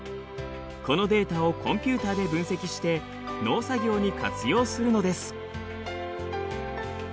このデータをコンピューターで分析して農作業に活用するのです。